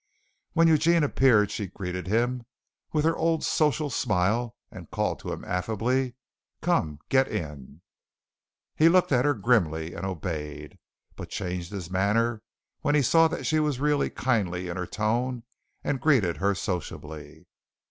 When Eugene appeared she greeted him with her old social smile and called to him affably: "Come, get in." He looked at her grimly and obeyed, but changed his manner when he saw that she was really kindly in her tone and greeted her sociably.